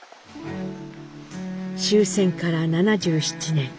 終戦から７７年。